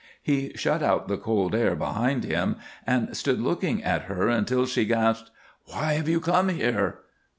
He shut out the cold air behind him and stood looking at her until she gasped: "Why have you come here?"